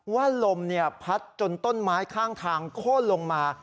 ว่าลมพัดจนต้นไม้ข้างทางโค้นลงมา